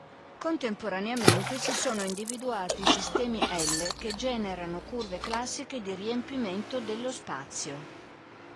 Contemporaneamente si sono individuati sistemi-L che generano curve classiche di riempimento dello spazio.